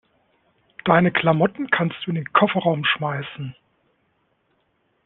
Deine Klamotten kannst du in den Kofferraum schmeißen.